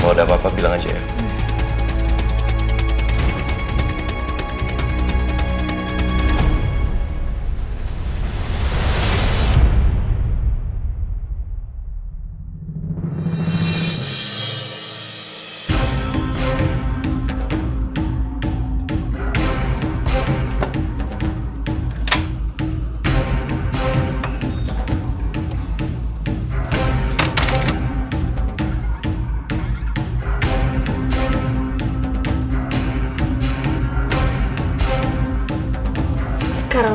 moleh liat tante andis gak